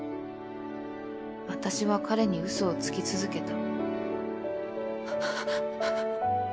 私は彼に嘘をつき続けた